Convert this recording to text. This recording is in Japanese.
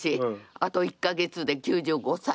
あと１か月で９５歳。